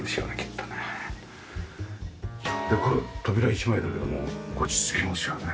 これ扉一枚だけども落ち着きますよね。